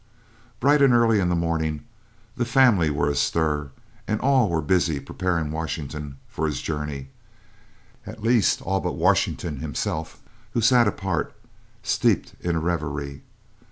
Bright and early in the morning the family were astir, and all were busy preparing Washington for his journey at least all but Washington himself, who sat apart, steeped in a reverie.